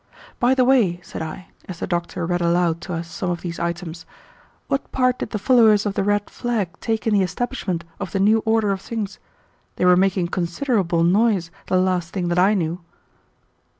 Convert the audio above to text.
"By the way," said I, as the doctor read aloud to us some of these items, "what part did the followers of the red flag take in the establishment of the new order of things? They were making considerable noise the last thing that I knew."